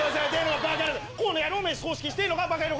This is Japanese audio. この野郎め葬式してぇのかバカ野郎